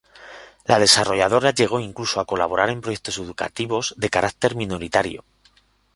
La desarrolladora llegó incluso a colaborar en proyectos educativos de carácter minoritario.